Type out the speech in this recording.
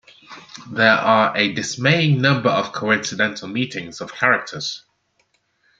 There are a dismaying number of coincidental meetings of characters.